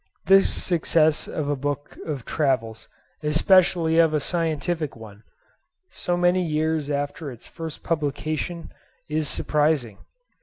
This success of a book of travels, especially of a scientific one, so many years after its first publication, is surprising.